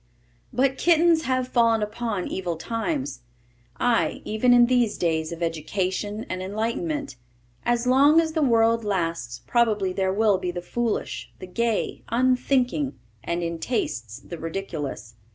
But kittens have fallen upon evil times, ay, even in these days of education and enlightenment. As long as the world lasts probably there will be the foolish, the gay, unthinking, and, in tastes, the ridiculous.